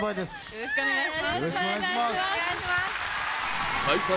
よろしくお願いします。